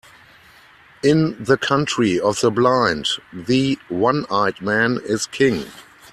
In the country of the blind, the one-eyed man is king.